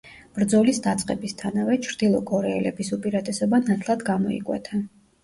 ბრძოლის დაწყებისთანავე, ჩრდილო კორეელების უპირატესობა ნათლად გამოიკვეთა.